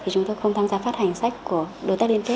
chúng tôi không tham gia phát hành sách của đối tác liên kết